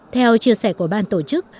theo chia sẻ của ban tổ chức